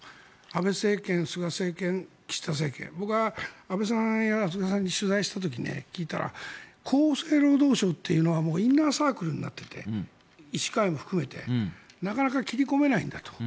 安倍政権、菅政権、岸田政権僕は安倍さんや菅さんに取材した時に聞いたら厚生労働省というのはインナーサークルになってて医師会も含めてなかなか切り込めないんだと。